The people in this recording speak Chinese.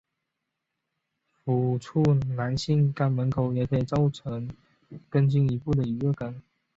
抚触男性肛门口也可造成更进一步的愉悦感。